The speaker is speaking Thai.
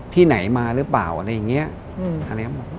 ที่ไหนมาหรือเปล่าอะไรอย่างนี้